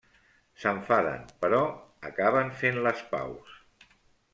S'enfaden però acaben fent les paus.